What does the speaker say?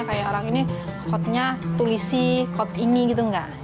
kayak orang ini hotnya tulisi hot ini gitu enggak